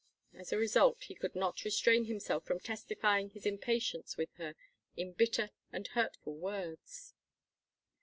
As a result he could not restrain himself from testifying his impatience with her in bitter and hurtful words.